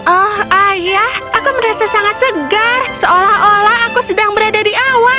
oh ayah aku merasa sangat segar seolah olah aku sedang berada di awan